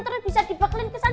terus bisa dibeklin kesana